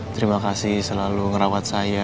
terima kasih selalu ngerawat saya